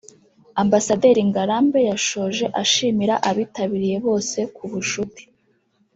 Ambasaderi Ngarambe yashoje ashimira abitabiriye bose ku bucuti